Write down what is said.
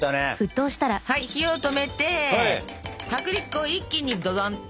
はい火を止めて薄力粉を一気にドドンと！